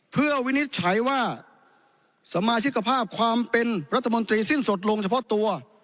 เพื่อวินิจฉัยว่าสมาชิกภาพความเป็นรัฐมนตรีสิ้นสุดลงเฉพาะตัว